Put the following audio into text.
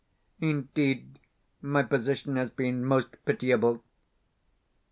Indeed, my position has been most pitiable.